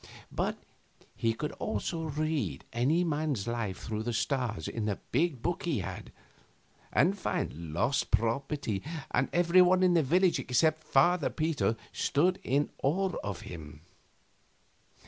But he could also read any man's life through the stars in a big book he had, and find lost property, and every one in the village except Father Peter stood in awe of him.